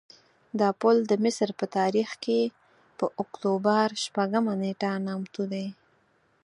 دا پل د مصر په تاریخ کې په اکتوبر شپږمه نېټه نامتو دی.